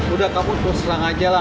udah kamu terus terang aja lah